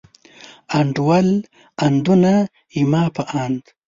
انډول، اندونه، زما په اند.